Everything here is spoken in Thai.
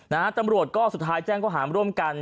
นะฮะตำรวจก็สุดท้ายแจ้งก็หามร่วมกัน